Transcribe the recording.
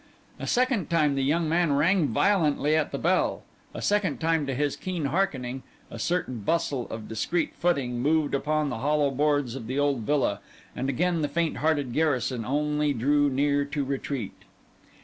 A second time the young man rang violently at the bell; a second time, to his keen hearkening, a certain bustle of discreet footing moved upon the hollow boards of the old villa; and again the fainthearted garrison only drew near to retreat.